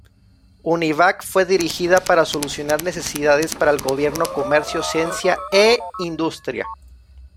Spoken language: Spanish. Univac fue dirigida para solucionar necesidades para el gobierno, comercio, ciencia e industria.